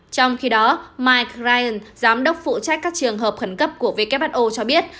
trong khi đó mike ryan giám đốc phụ trách các trường hợp khẩn cấp của who cho biết